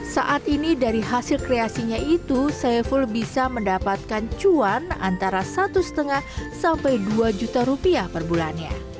saat ini dari hasil kreasinya itu saiful bisa mendapatkan cuan antara satu lima sampai dua juta rupiah per bulannya